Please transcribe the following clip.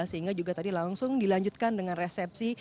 sehingga juga tadi langsung dilanjutkan dengan resepsi